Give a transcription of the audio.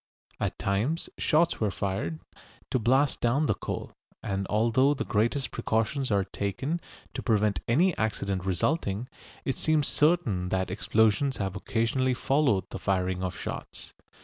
At times shots were fired, to blast down the coal, and although the greatest precautions are taken to prevent any accident resulting, it seems certain that explosions have occasionally followed the firing of shots.